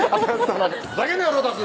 「ふざけんなよロータス！」